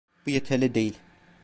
Bu yeterli değil.